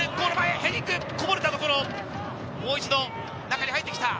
ヘディング、こぼれたところ、もう一度、中に入ってきた。